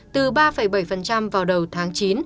từ ba bảy vào đầu tháng chín